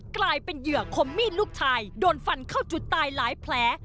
กลายเป็นเหยื่อคมมีดลูกชายโดนฟันเข้าจุดตายหลายแผล